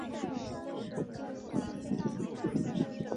他还以拨款和其他方式支持一家德国文化中心。